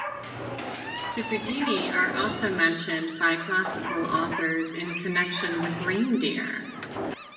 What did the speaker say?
The Budini are also mentioned by Classical authors in connection with reindeer.